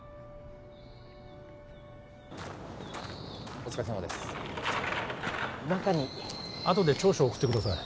・お疲れさまです中にあとで調書送ってください